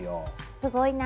すごいな。